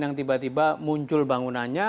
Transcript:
yang tiba tiba muncul bangunannya